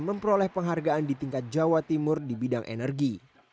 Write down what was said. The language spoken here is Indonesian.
memperoleh penghargaan di tingkat jawa timur di bidang energi